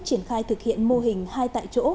triển khai thực hiện mô hình hai tại chỗ